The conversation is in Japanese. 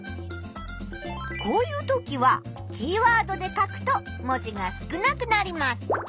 こういうときはキーワードで書くと文字が少なくなります。